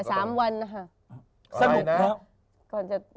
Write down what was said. แต่๓วันนะฮะ